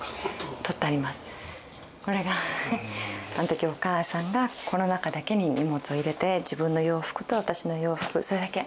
これがあの時お母さんがこの中だけに荷物を入れて自分の洋服と私の洋服それだけ。